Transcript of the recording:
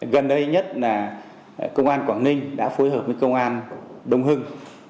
gần đây nhất là công an quảng ninh đã phối hợp với công an đông hưng